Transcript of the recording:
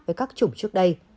với các chủng trước đây